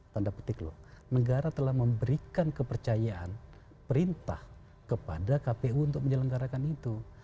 tanda petik loh negara telah memberikan kepercayaan perintah kepada kpu untuk menyelenggarakan itu